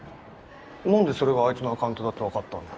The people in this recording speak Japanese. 何でそれがあいつのアカウントだって分かったんだよ？